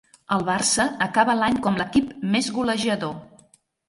El Barça acaba l'any com l'equip més golejador.